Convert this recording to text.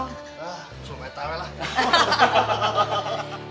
ah cuma main tawa lah